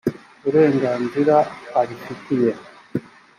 burenganzira abifitiye